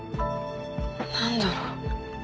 何だろう。